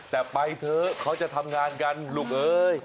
แต่ไปเถอะเขาจะทำงานกันลูกเอ้ย